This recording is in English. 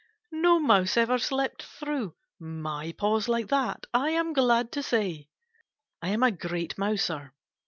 No mouse ever slipped through my paws like that, I am glad to say. I am a great mouser.